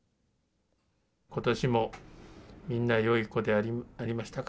ことしもみんなよい子でありましたか？